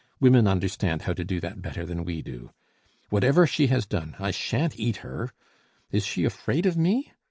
Women understand how to do that better than we do. Whatever she has done, I sha'n't eat her. Is she afraid of me?